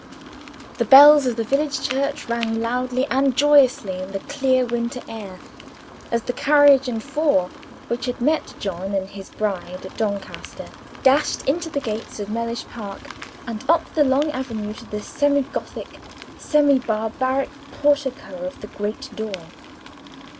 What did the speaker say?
The bells of the village church rang loudly and joyously in the clear winter air as the carriage and four, which had met John and his bride at Doncaster, dashed into the gates of Mellish Park, and up the long avenue to the semi Gothic, semi barbaric portico of the great door.